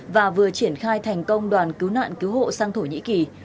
và vừa triển khai thành công đoàn cứu nạn cứu hộ sang thổ nhĩ kỳ